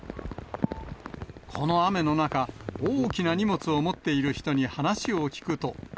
この雨の中、大きな荷物を持っている人に話を聞くと。